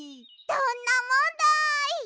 どんなもんだい！